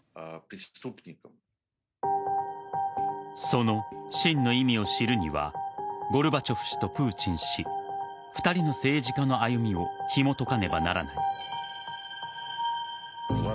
その真の意味を知るにはゴルバチョフ氏とプーチン氏２人の政治家の歩みをひもとかねばならない。